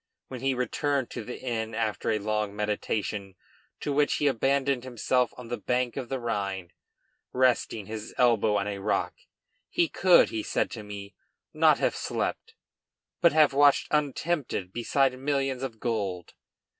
When he returned to the inn after a long meditation to which he abandoned himself on the bank of the Rhine, resting his elbow on a rock, he could, he said to me, not have slept, but have watched untempted beside millions of gold.